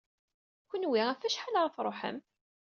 Kenwi ɣef wacḥal ara tṛuḥem?